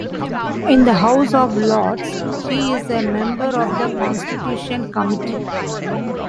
In the House of Lords, he is a member of the Constitution Committee.